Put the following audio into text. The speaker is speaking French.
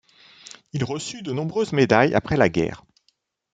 Il reçut de nombreuses médailles après la guerre.